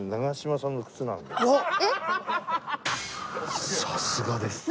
さすがです。何？